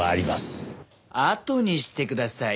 あとにしてください。